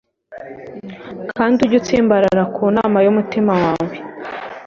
kandi ujye utsimbarara ku nama y'umutima wawe